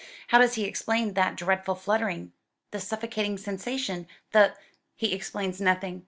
How does he explain that dreadful fluttering the suffocating sensation the ?' "He explains nothing.